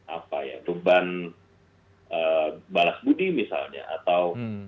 apa ya beban balas budi misalnya atau